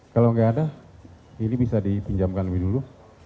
kalau gak ada ini bisa dipinjamkan dulu